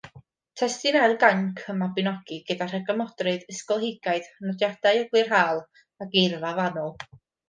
Testun ail gainc y Mabinogi gyda rhagymadrodd ysgolheigaidd, nodiadau eglurhaol a geirfa fanwl.